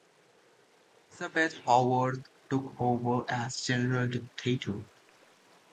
Elizabeth Howarth took over as General Director.